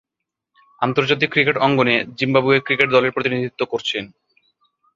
আন্তর্জাতিক ক্রিকেট অঙ্গনে Zimbabwe cricket দলের প্রতিনিধিত্ব করছেন।